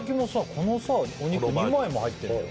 このさお肉２枚も入ってるんだよ